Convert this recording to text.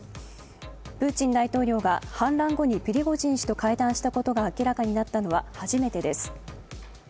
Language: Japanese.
プーチン大統領が反乱後にプリゴジン氏と会談したことが明らかになったのは初めてです。